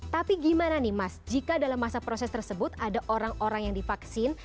tapi gimana nih mas jika dalam masa proses tersebut ada orang orang yang divaksin